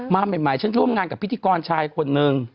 มาใหม่ฉันร่วมงานกับพิธีกรชายคนนึง